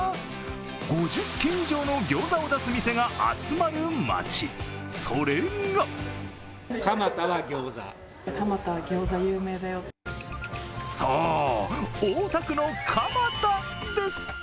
５０軒以上のギョーザを出す店が集まる街、それがそう、大田区の蒲田です。